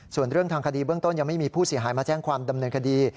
ส่วนเรื่องทางคดีเบื้องต้นยังไม่มีผู้เสียหายมาแจ้งความดำเนินคดี